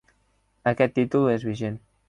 Aquest títol és vigent.